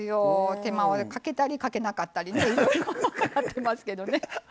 手間をかけたりかけなかったりねありますけどね。